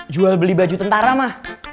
jual beli baju tentara mah